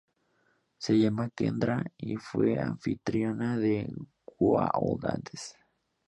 Se llama Kendra, y fue anfitriona de Goa'uld antes.